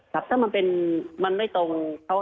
ครับถ้ามันเป็นมันไม่ตรง